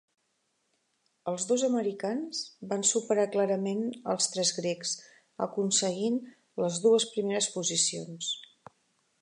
Els dos americans van superar clarament els tres grecs, aconseguint les dues primeres posicions.